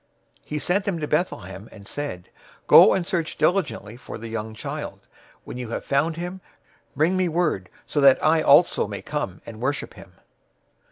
002:008 He sent them to Bethlehem, and said, "Go and search diligently for the young child. When you have found him, bring me word, so that I also may come and worship him."